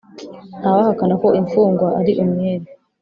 ntawahakana ko imfungwa ari umwere.